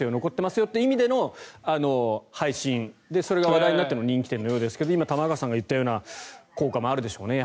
よって意味での配信でそれが話題になっての人気店のようですが今、玉川さんが言ったような効果もやはりあるでしょうね。